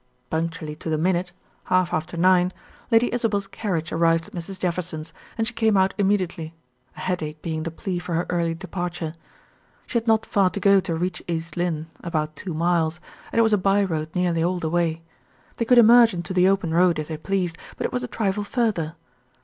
Punctually to the minute, half after nine, Lady Isabel's carriage arrived at Mrs. Jefferson's, and she came out immediately a headache being the plea for her early departure. She had not far to go to reach East Lynne about two miles and it was a by road nearly all the way. They could emerge into the open road, if they pleased, but it was a trifle further.